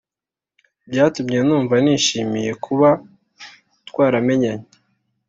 Byatumye numva nishimiye kuba twaramenyanye